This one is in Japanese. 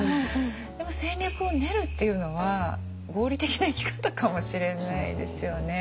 でも戦略を練るっていうのは合理的な生き方かもしれないですよね。